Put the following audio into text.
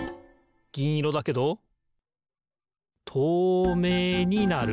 ぎんいろだけどとうめいになる。